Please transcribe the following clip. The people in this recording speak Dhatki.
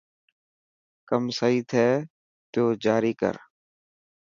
ڪم سهي ٿي پوي جاري ڪر.